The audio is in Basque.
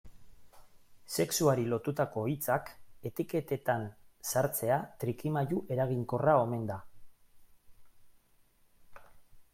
Sexuari lotutako hitzak etiketetan sartzea trikimailu eraginkorra omen da.